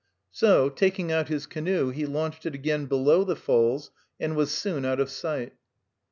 So, taking out his canoe, he launched it again below the falls, and was soon out of sight.